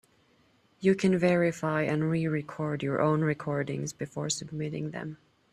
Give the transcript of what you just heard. You can verify and re-record your own recordings before submitting them.